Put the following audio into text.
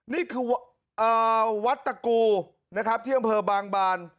นี่คือวัสดรกูนะครับเที่ยงบังบาล